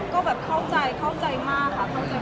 ก็แบบเข้าใจเข้าใจมากครับ